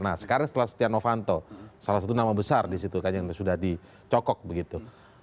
nah sekarang setelah setia novanto salah satu nama besar di situ kan yang sudah dicokok begitu